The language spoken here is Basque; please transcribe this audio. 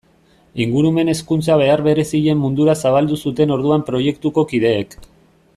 Ingurumen hezkuntza behar berezien mundura zabaldu zuten orduan proiektuko kideek.